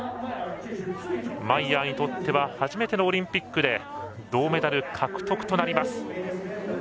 マイヤーにとっては初めてのオリンピックで銅メダル獲得となります。